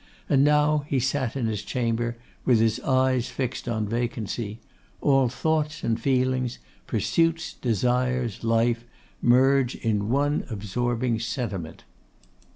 And now he sat in his chamber, with his eyes fixed on vacancy. All thoughts and feelings, pursuits, desires, life, merge in one absorbing sentiment.